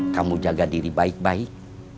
kamu jaga diri baik baik